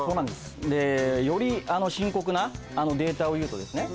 より深刻なデータをいうとですね